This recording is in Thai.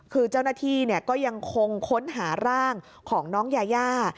คือเจ้าหน้าที่ก็ยังคงค้นหาร่างของน้องยายา